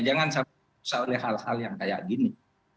jangan sampai usah oleh hal hal yang kayak gini